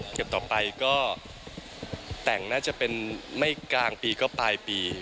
เก็บต่อไปก็แต่งน่าจะเป็นไม่กลางปีก็ปลายปี